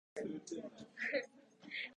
朝ごはんはパンを食べました。